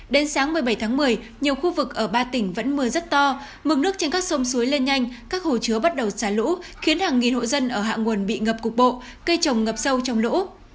đến sáng một mươi bảy tháng một mươi nhiều khu vực ở ba tỉnh vẫn mưa rất to mực nước trên các sông suối lên nhanh các hồ chứa bắt đầu xả lũ khiến hàng nghìn hộ dân ở hạ nguồn bị ngập cục bộ cây trồng ngập sâu trong lũ